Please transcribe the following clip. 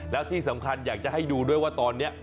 แล้วที่สำคัญอยากจะให้ดูด้วยว่าตอนนี้